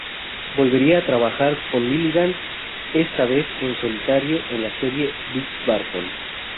Volvería a trabajar con Milligan, esta vez en solitario, en la serie "Bix Barton.